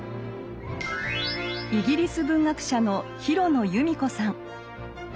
イギリス文学者の廣野由美子さん。